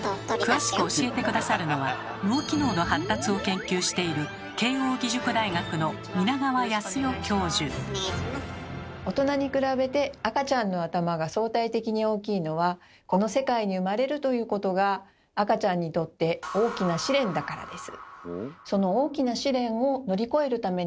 詳しく教えて下さるのは脳機能の発達を研究している大人に比べて赤ちゃんの頭が相対的に大きいのは「この世界に生まれる」ということが赤ちゃんにとって大きな試練だからです。